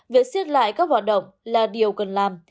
việc xiết lại các hoạt động là điều cần làm